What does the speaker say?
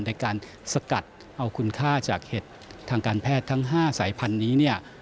ในการสกัดเอาคุณค่าจากเห็ดทางการแพทย์ทั้ง๕สายพันธุ์นี้เนี่ย